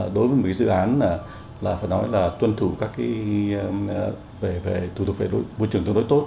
đối với một dự án là phải nói là tuân thủ các cái về thủ tục về môi trường tương đối tốt